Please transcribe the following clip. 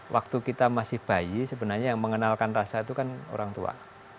waktu kita masih bayi sebenarnya yang mengenalkan rasa itu kan orang tua